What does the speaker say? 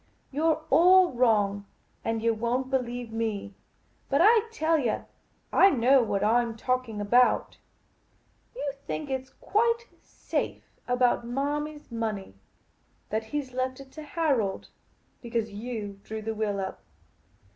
" You 're all wrong, and yah won't believe me. But I tell yah, I know what I 'm talking about. You think it 's quite safe about Marmy's money — that he 's left it to Harold — because you drew the will up.